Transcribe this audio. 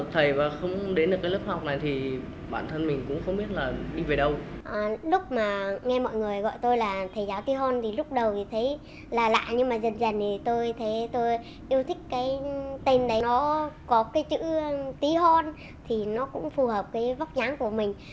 thầy tôi yêu thích cái tên đấy nó có cái chữ tí hôn thì nó cũng phù hợp với vóc dáng của mình